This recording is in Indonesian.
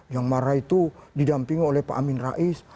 yang marah itu didampingi oleh pak amin rais